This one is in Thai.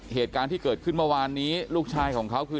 เหตุการณ์ที่เกิดขึ้นเมื่อวานนี้ลูกชายของเขาคือ